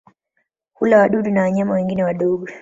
Hula wadudu na wanyama wengine wadogo.